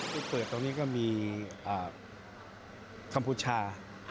ที่เปิดตรงนี้ก็มีกัมพูชา